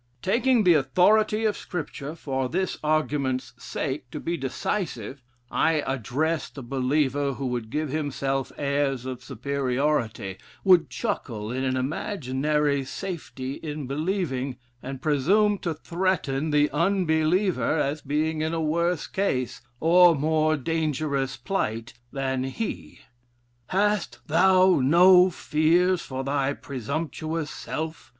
Taking the authority of Scripture, for this argument's sake, to be decisive, I address the believer who would give himself airs of superiority, would chuckle in an imaginary safety in believing, and presume to threaten the unbeliever as being in a worse case, or more dangerous plight, than he. 'Hast thou no fears for thy presumptuous self?'